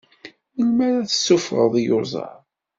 Melmi ara tessuffɣeḍ iyuẓaḍ?